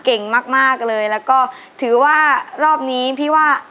เก่งมากมากเลยแล้วก็ถือว่ารอบนี้พี่ว่า